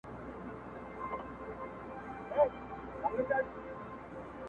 چي فارغ به یې کړ مړی له کفنه،